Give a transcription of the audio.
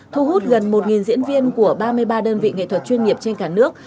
thu hút gần một diễn viên của ba mươi ba đơn vị nghệ thuật chuyên nghiệp trên cả nước